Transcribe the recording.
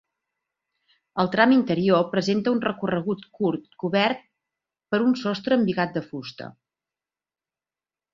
El tram interior presenta un recorregut curt cobert per un sostre embigat de fusta.